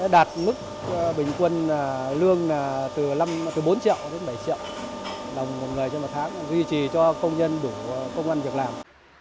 đạt mức bình quân lương từ bốn triệu đến bảy triệu đồng một người trên một tháng duy trì cho công nhân đủ công an việc làm